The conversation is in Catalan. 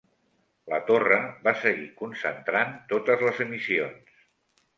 La torre va seguir concentrant totes les emissions.